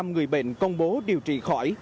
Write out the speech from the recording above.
năm mươi năm người bệnh công bố điều trị khỏi